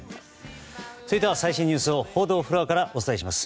それでは最新ニュースを報道フロアからお伝えします。